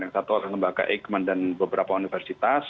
yang satu adalah lembaga eijkman dan beberapa universitas